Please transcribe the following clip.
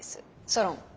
ソロン。